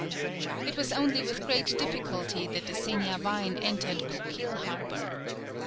It was only with great difficulty that the Seniavine entered Coquille harbour.